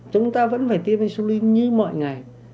chúng ta vẫn phải tiêm insulin như mọi ngày